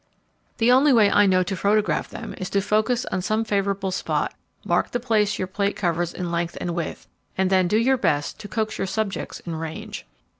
The only way I know to photograph them is to focus on some favourable spot, mark the place your plate covers in length and width, and then do your best to coax your subjects in range.